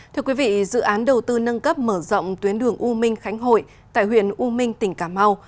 thưa quý vị dự án đầu tư nâng cấp mở rộng tuyến đường u minh khánh hội tại huyện u minh tỉnh cà mau